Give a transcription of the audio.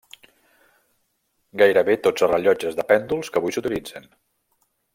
Gairebé tots els rellotges de pèndols que avui s'utilitzen.